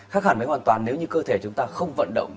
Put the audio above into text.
chắc chắn với hoàn toàn nếu như cơ thể chúng ta không vận động